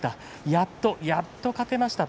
やっとやっと勝てました。